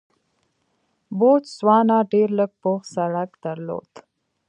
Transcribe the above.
بوتسوانا ډېر لږ پوخ سړک درلود.